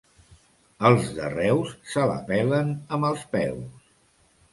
Els de Reus se la pelen amb els peus.